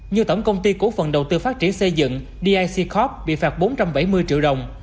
như tổng công ty cổ phần đầu tư phát triển xây dựng dic corp bị phạt bốn trăm bảy mươi triệu đồng